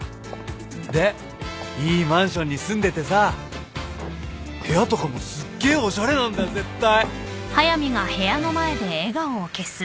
でいいマンションに住んでてさ部屋とかもすっげえおしゃれなんだよ絶対。